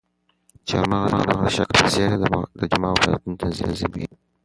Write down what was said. چهارمغز د مغز د شکل په څېر دي او د دماغو فعالیتونه تنظیموي.